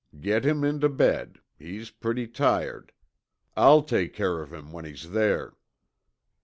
Get him into bed; he's pretty tired. I'll take care of him when he's there."